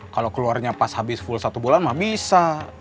kalau keluarnya pas habis full satu bulan mah bisa